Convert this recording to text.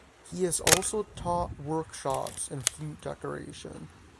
He has also taught workshops in flute decoration.